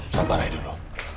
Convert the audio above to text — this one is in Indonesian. sabar rai dulu